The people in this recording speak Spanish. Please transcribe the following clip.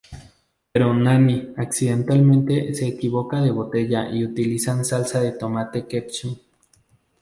Pero Nanny, accidentalmente, se equivoca de botella y utilizan salsa de tomate ketchup.